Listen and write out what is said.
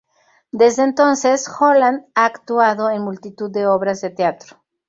Desde entonces, Holland ha actuado en multitud de obras de teatro.